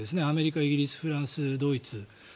アメリカ、イギリスフランス、ドイツ。